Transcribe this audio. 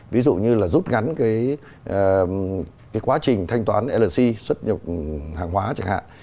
ví dụ như là giúp ngắn cái quá trình thanh toán llc xuất nhập hàng hóa chẳng hạn